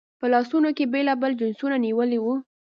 په لاسونو کې یې بېلابېل جنسونه نیولي وو.